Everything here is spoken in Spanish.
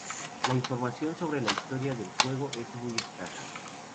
La información sobre la historia del juego es muy escasa.